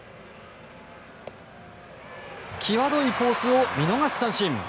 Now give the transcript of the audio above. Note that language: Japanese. きわどいコースを見逃し三振。